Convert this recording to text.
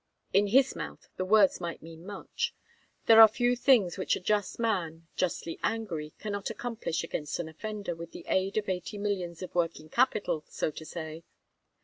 In his mouth the words might mean much. There are few things which a just man, justly angry, cannot accomplish against an offender, with the aid of eighty millions of working capital, so to say.